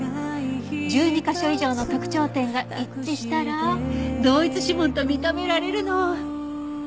１２カ所以上の特徴点が一致したら同一指紋と認められるの。